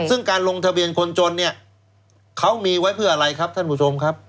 ซึ่งการลงทะเบียนคนจนเนี่ยเขามีไว้เพื่ออะไรครับท่านผู้ชมครับ